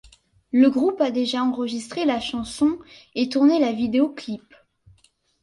Le groupe a déjà enregistré la chanson et tourné le vidéo clip.